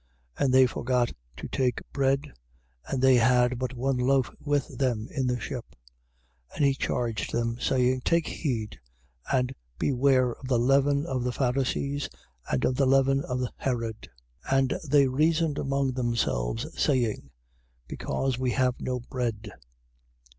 8:14. And they forgot to take bread: and they had but one loaf with them in the ship. 8:15. And he charged them saying: Take heed and beware of the leaven of the Pharisees and of the leaven of Herod. 8:16. And they reasoned among themselves, saying: Because we have no bread.